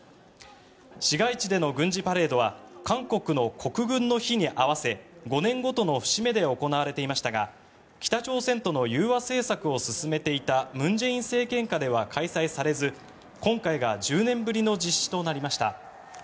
市街地での軍事パレードは韓国の国軍の日に合わせ５年ごとの節目で行われていましたが北朝鮮との融和政策を進めていた文在寅政権下では開催されず今回が１０年ぶりの実施となりました。